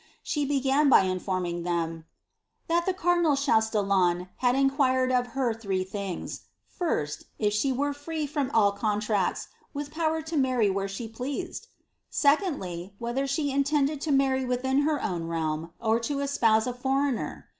She began by informing them, ^ that the cardinal Chutillon had inquired of her three things ;^ first, if she were free from iU contracts, with power to marry where she pleased ? secondly, whether fbe intended to marry within her own realm, or to espouse a foreigner